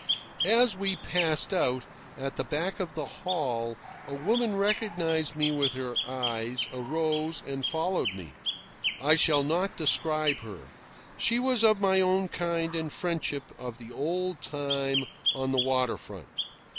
As we passed out, at the back of the hall a woman recognised me with her eyes, arose, and followed me. I shall not describe her. She was of my own kind and friendship of the old time on the water front.